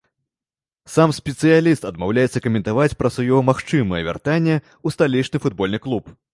Сам спецыяліст адмаўляецца каментаваць пра сваё магчымае вяртанне ў сталічны футбольны клуб.